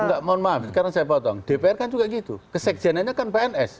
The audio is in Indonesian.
enggak mohon maaf sekarang saya potong dpr kan juga gitu kesekjenannya kan pns